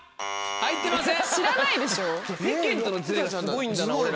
入ってません。